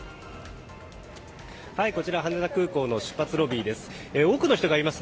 こちら羽田空港の出発ロビーですね。